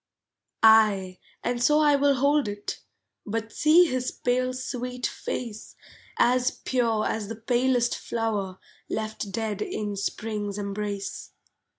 Ay, and so I will hold it, But see his pale sweet face, As pure as the palest flower Left dead in Spring's embrace.